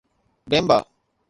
بيمبا